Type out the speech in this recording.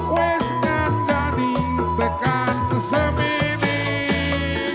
waktu yang tadi bukan semenit